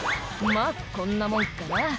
「まぁこんなもんかな」